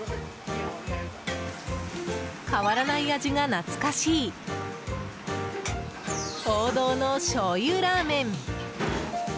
変わらない味が、懐かしい王道のしょうゆラーメン。